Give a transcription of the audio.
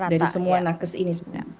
dari semua nakes ini